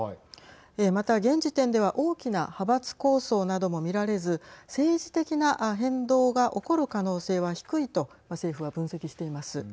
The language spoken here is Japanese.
また現時点では大きな派閥抗争なども見られず政治的な変動が起こる可能性は低いと政府は分析しています。